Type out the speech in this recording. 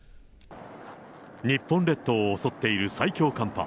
日本列島を襲っている最強寒波。